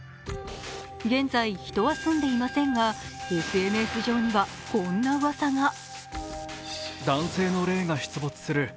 現在、人は住んでいませんが、ＳＮＳ上にはこんなうわさが。